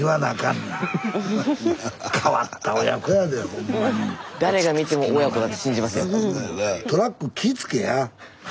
スタジオ誰が見ても親子だって信じますよ。